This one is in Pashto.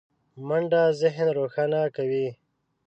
منډه ذهن روښانه کوي